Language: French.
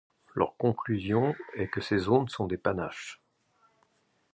Leur conclusion est que ces zones sont des panaches.